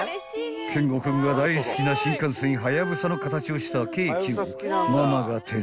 ［健吾君が大好きな新幹線はやぶさの形をしたケーキをママが手作り］